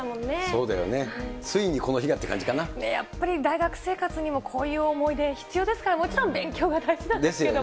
そうだよね、ついにこの日がやっぱり大学生活にもこういう思い出、必要ですから、もちろん勉強が大事なんですけど。